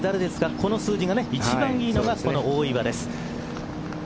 この数字が一番いいのが大岩です。